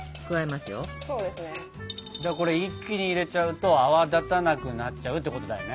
これ一気に入れちゃうと泡立たなくなっちゃうってことだよね。